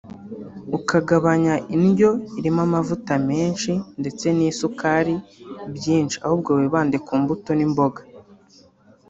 ukagabanya indyo irimo amavuta menshi ndetse n’ibisukari byinshi ahubwo wibande ku mbuto n’imboga